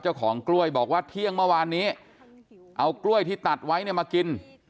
เจ้าของกล้วยบอกว่าเที่ยงเมื่อวานนี้เอากล้วยที่ตัดไว้เนี่ยมากิน